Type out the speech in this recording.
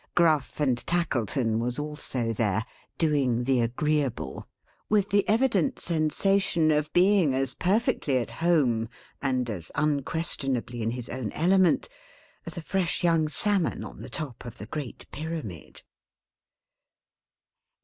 Gruff and Tackleton was also there, doing the agreeable; with the evident sensation of being as perfectly at home, and as unquestionably in his own element, as a fresh young salmon on the top of the Great Pyramid.